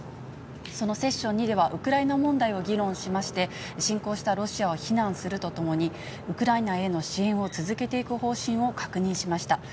そのセッション２ではウクライナ問題を議論しまして、侵攻したロシアを非難するとともに、ウクライナへの支援を続けていく方針を確認しました。